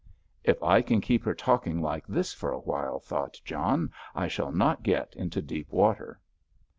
"If I can keep her talking like this for a while," thought John, "I shall not get into deep water!"